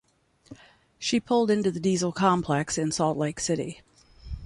She pulled into the Diesel Complex in Salt Lake City.